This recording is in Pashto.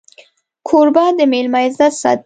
کوربه د مېلمه عزت ساتي.